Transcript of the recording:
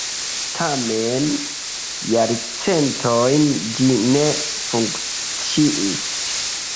Tamen jarcentojn ĝi ne funkciis.